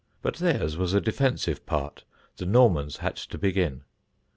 But theirs was a defensive part; the Normans had to begin.